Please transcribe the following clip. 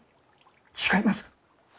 違います！